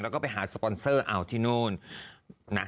แล้วก็ไปหาสปอนเซอร์อ่าวที่โน่น